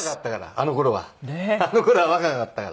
あの頃は若かったから。